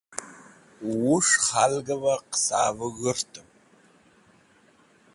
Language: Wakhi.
Wus̃h k̃halgvẽ qesavẽ g̃hurtẽm.